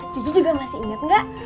kyu juga masih inget gak